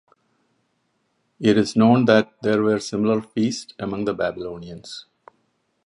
It is known that there were similar feasts among the Babylonians.